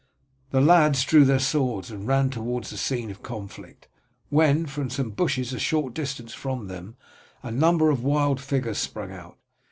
The lads drew their swords and ran towards the scene of conflict, when, from some bushes a short distance from them, a number of wild figures sprung out.